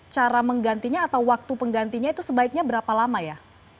cara menggantinya atau waktu penggantinya itu sebaiknya berapa lama ya